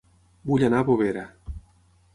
Vull anar a Bovera